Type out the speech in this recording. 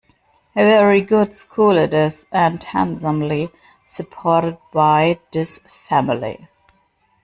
A very good school it is, and handsomely supported by this family.